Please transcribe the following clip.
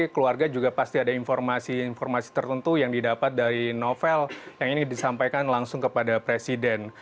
keluarga juga pasti ada informasi informasi tertentu yang didapat dari novel yang ini disampaikan langsung kepada presiden